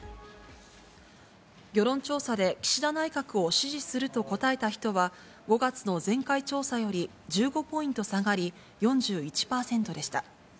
世論調査で岸田内閣を支持すると答えた人は５月の前回調査より１５ポイント下がり、４１％でした。